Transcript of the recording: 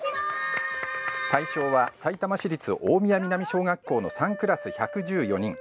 対象は、さいたま市立大宮南小学校の３クラス１１４人。